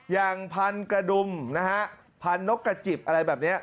อย่างพันกระดุมนะฮะพันนกกระจิบอะไรแบบนี้